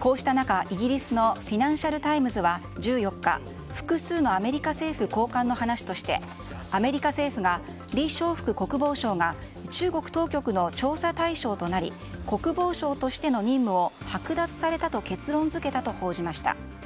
こうした中、イギリスのフィナンシャル・タイムズは１４日複数のアメリカ政府高官の話としてアメリカ政府がリ・ショウフク国防相が中国当局の調査対象となり国防相としての任務をはく奪されたと結論付けたと報じました。